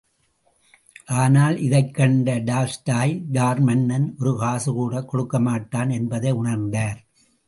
ஆனால், இதைக் கண்ட டால்ஸ்டாய், ஜார் மன்னன் ஒருகாசு கூடக் கொடுக்கமாட்டான் என்பதை உணர்ந்தார்.